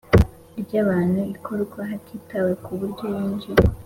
Ry abantu ikorwe hatitawe ku buryo yinjiye